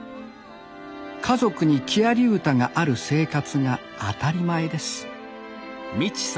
家族に木遣り歌がある生活が当たり前です